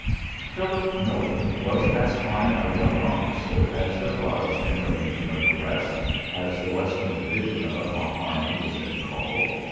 PHILIP NOLAN was as fine a young officer as there was in the "Legion of the West," as the Western division of our army was then called.